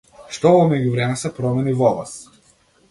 Што во меѓувреме се промени во вас?